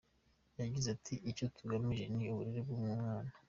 Yagize ati : “icyo tugamije ni uburere bw’umwana.